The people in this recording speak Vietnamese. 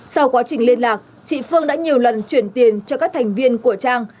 sau quá trình liên lạc chị phương đã nhiều lần chuyển tiền cho các thành viên của trang